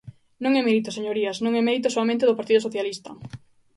Non é mérito, señorías, non é mérito soamente do Partido Socialista.